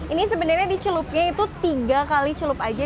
ini sebenarnya dicelupnya itu tiga kali celup aja